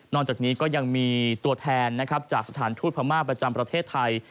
นอนจากนี้ก็ยังมีตัวแทนจากสถานทูตพระมาทประจำประเทศไทย